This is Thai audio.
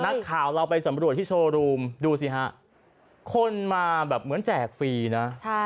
นักข่าวเราไปสำรวจที่โชว์รูมดูสิฮะคนมาแบบเหมือนแจกฟรีนะ